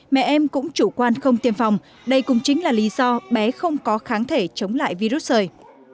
mẹ em cũng chủ quan không tiêm phòng đây cũng chính là lý do bé không có kháng thể chống lại virus sởi